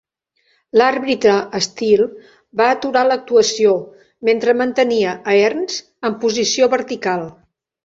L'àrbitre Steele va aturar l'actuació mentre mantenia a Hearns en posició vertical.